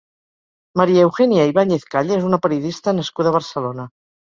María Eugenia Ibáñez Calle és una periodista nascuda a Barcelona.